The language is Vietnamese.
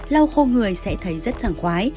lau khô người sẽ thấy rất thẳng khoái